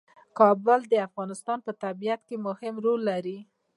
کابل د افغانستان په طبیعت کې مهم رول لري.